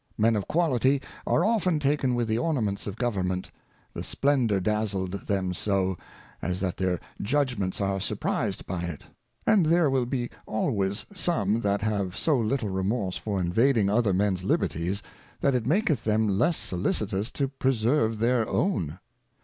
Men of Quality are often taken with the Ornaments of Govern ment, the Splendor dazleth them so, as that their Judgments are surprized by it ; and there will be always some that haYfi_aQ_ little remorse for invading other Mens Liberties, that it maketh them less solicitous to preserve their own.